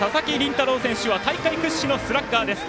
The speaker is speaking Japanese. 太郎選手は今大会屈指のスラッガーです。